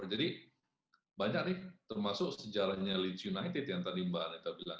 jadi banyak nih termasuk sejarahnya leeds united yang tadi mbak anita bilang